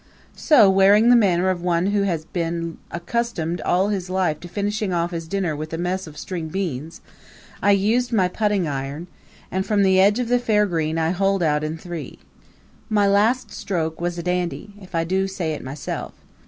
So, wearing the manner of one who has been accustomed all his life to finishing off his dinner with a mess of string beans, I used my putting iron; and from the edge of the fair green I holed out in three. My last stroke was a dandy, if I do say it myself.